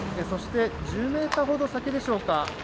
そして１０メートルほど先でしょうか。